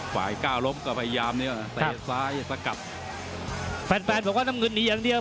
ฝ่ายกล้าลบก็พยายามนี่ก่อนนะใส่สกัดแฟนแฟนบอกว่าน้ำเงินหนีอย่างเดียว